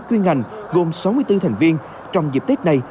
chuyên ngành gồm sáu mươi bốn thành viên trong dịp tết này